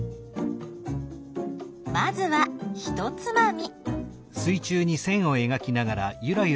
まずはひとつまみ。